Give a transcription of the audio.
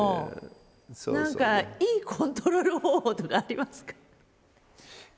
何かいいコントロール方法とかありますか？